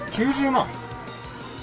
９０万？